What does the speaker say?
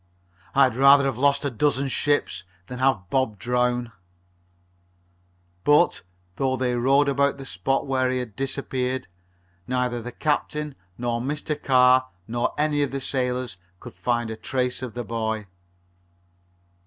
"I'd rather have lost a dozen ships than have Bob drown!" But, though they rowed about the spot where he had disappeared, neither the captain nor Mr. Carr nor any of the sailors could find a trace of the boy.